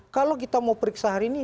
kalau kita mau periksa hari ini